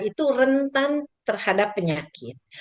itu rentan terhadap penyakit